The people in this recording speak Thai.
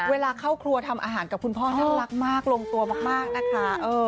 เวลาเข้าครัวทำอาหารกับคุณพ่อน่ารักมากลงตัวมากนะคะ